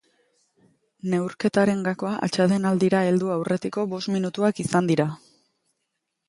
Neurketaren gakoa atsedenaldira heldu aurretiko bost minutuak izan dira.